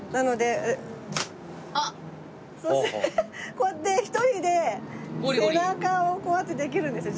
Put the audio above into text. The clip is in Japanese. こうやって１人で背中をこうやってできるんですよ